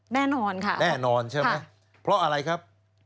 แน่นอนค่ะแน่นอนใช่ไหมเพราะอะไรครับ